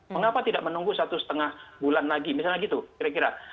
mengapa tidak menunggu satu setengah bulan lagi misalnya gitu kira kira